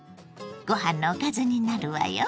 ご飯のおかずになるわよ。